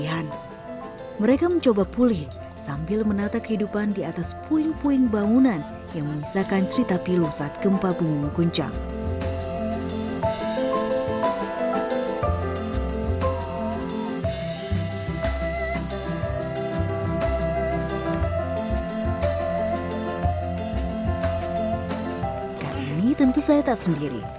hari ini tentu saya tak sendiri